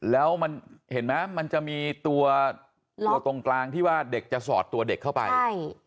แล้วมันเห็นไหมมันจะมีตัวตรงกลางที่ว่าเด็กจะสอดตัวเด็กเข้าไปใช่